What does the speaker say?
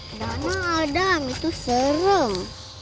adam adam itu serem